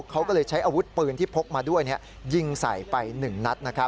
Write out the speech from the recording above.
เขาก็เลยใช้อาวุธปืนที่พกมาด้วยยิงใส่ไป๑นัด